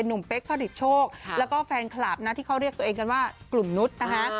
เป๊กผลิตโชคแล้วก็แฟนคลับนะที่เขาเรียกตัวเองกันว่ากลุ่มนุษย์นะคะ